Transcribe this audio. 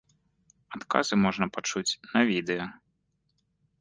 Адказы можна пачуць на відэа.